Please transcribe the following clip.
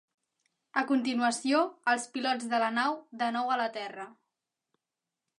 A continuació, els pilots de la nau de nou a la terra.